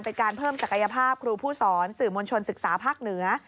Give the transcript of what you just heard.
เป็นการเพิ่มศักยภาพครูผู้สอนสื่อมวลชนศึกษาภาคเหนือ